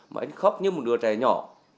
mà anh khóc như một đứa trẻ nhỏ